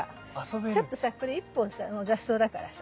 ちょっとさこれ１本さ雑草だからさ。